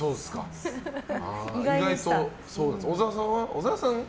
小沢さんは？